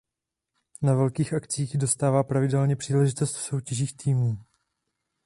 Na velkých akcích dostává pravidelně příležitost v soutěžích týmů.